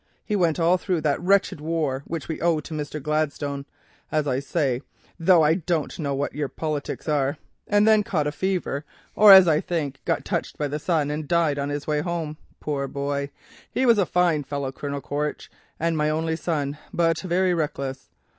He went all through that wretched war which we owe to Mr. Gladstone, as I say, though I don't know what your politics are, and then caught a fever, or as I think got touched by the sun, and died on his way home. Poor boy! He was a fine fellow, Colonel Quaritch, and my only son, but very reckless.